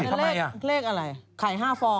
แล้วเลขอะไรไข่๕ฟอง